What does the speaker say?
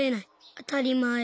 あたりまえ。